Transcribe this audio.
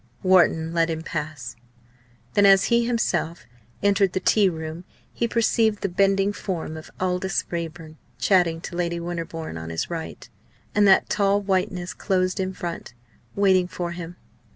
Wharton let him pass. Then as he himself entered the tea room, he perceived the bending form of Aldous Raeburn chatting to Lady Winterbourne on his right, and that tall whiteness close in front, waiting for him.